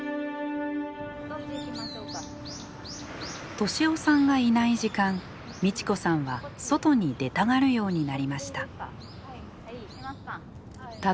利夫さんがいない時間ミチ子さんは外に出たがるようになりました。